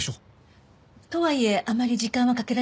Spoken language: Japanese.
とはいえあまり時間はかけられないわ。